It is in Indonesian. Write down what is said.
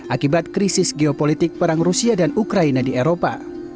akibat krisis geopolitik perang rusia dan ukraina di eropa